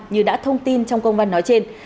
như đã thông tin trong công văn nói trên